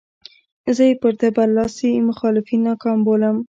زه یې پر ده برلاسي مخالفین ناکام بولم.